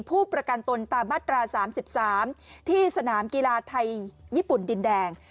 ผู้ประกันตนตามมาตรา๓๓ที่สนามกีฬาไทยญี่ปุ่นดินแดง